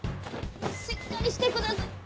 しっかりしてください。